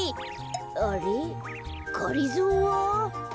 あれっがりぞーは？